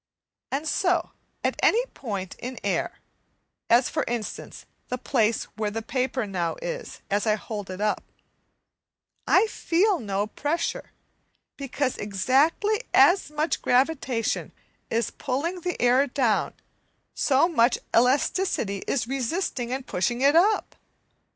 And so, at any point in air, as for instance the place where the paper now is as I hold it up, I feel no pressure because exactly as much as gravitation is pulling the air down, so much elasticity is resisting and pushing it up.